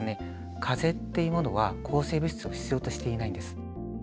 かぜっていうものは抗生物質を必要としていないんです。